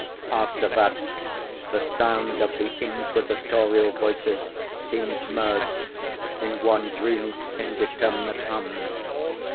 After that, the sound of the inquisitorial voices seemed merged in one dreamy indeterminate hum.